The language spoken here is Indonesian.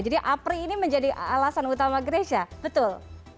jadi apri ini menjadi alasan utama grecia betul